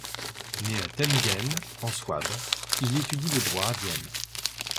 Né à Tengen en Souabe, il étudie le droit à Vienne.